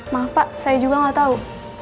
maaf pak saya juga nggak tahu